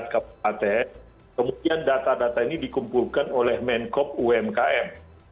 kemudian data data ini dikumpulkan oleh menkop umkm